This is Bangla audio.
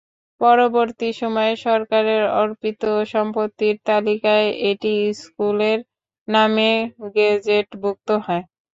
পরবর্তী সময়ে সরকারের অর্পিত সম্পত্তির তালিকায় এটি স্কুলের নামে গেজেটভুক্ত হয়।